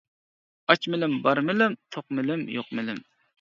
ئاچ مېلىم بار مېلىم، توق مېلىم يوق مېلىم.